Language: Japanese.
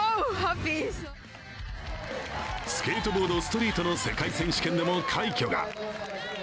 スケートボード・ストリートの世界選手権でも快挙が。